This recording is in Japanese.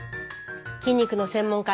筋肉の専門家